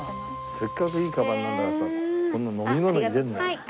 せっかくいいカバンなんだからさこんな飲み物入れるなよ。